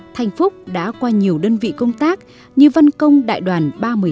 thanh phúc đã qua nhiều đơn vị công tác như văn công đại đoàn ba mươi hai